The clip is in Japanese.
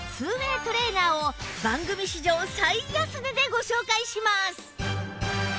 ＷＡＹ トレーナーを番組史上最安値でご紹介します！